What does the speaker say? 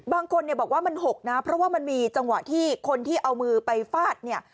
บางคนเนี่ยบอกว่ามันหกนะเพราะว่ามันมีจังหวะที่คนที่เอามือไปฟาดเนี่ย